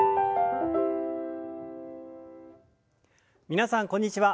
皆さんこんにちは。